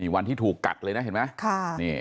วันที่ถูกกัดเลยนะเห็นไหม